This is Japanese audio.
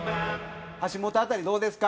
橋本あたりどうですか？